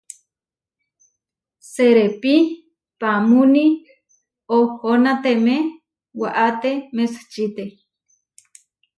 Serepíi pámuní oʼhonatemé waáte Mesačite.